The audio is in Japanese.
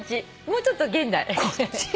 もうちょっと現代。